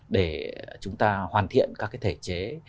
để chúng ta hoàn thiện các cái thể chế